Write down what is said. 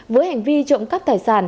với hành vi trộm cắp tài sản